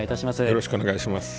よろしくお願いします。